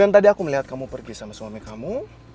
tadi aku melihat kamu pergi sama suami kamu